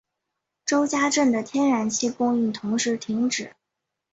周家镇的天然气供应同时停止。